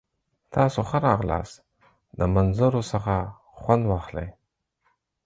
تاسو ښه راغلاست. د منظرو څخه خوند واخلئ!